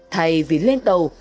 thầy vĩ lên tàu